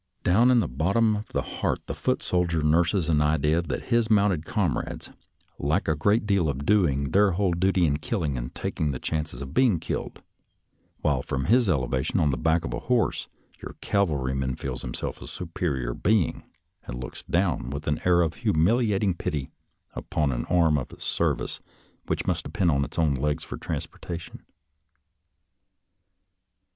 Down in the bottom of his heart the foot soldier nurses an idea that his mounted comrades lack a great deal of doing their whole duty in killing and taking the chances of being killed, while from his elevation on the back of a horse your cavalryman feels himself a superior being, and looks down with an air of humiliating pity upon an arm of the service which must depend on its own legs for transpor tation.